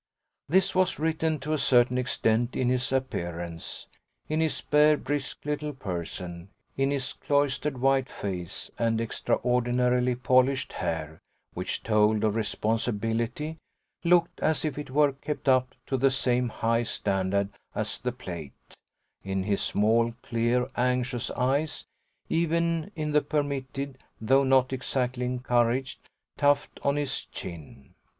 This was written to a certain extent in his appearance; in his spare brisk little person, in his cloistered white face and extraordinarily polished hair, which told of responsibility, looked as if it were kept up to the same high standard as the plate; in his small clear anxious eyes, even in the permitted, though not exactly encouraged, tuft on his chin.